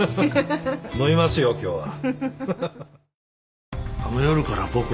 飲みますよ今日は。